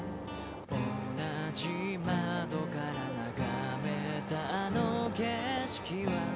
同じ窓から眺めたあの景色は